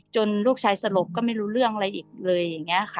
ลูกชายสลบก็ไม่รู้เรื่องอะไรอีกเลยอย่างนี้ค่ะ